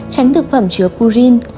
sáu tránh thực phẩm chứa purine